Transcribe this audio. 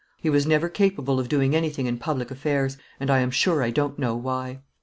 He was never capable of doing anything in public affairs, and I am sure I don't know why.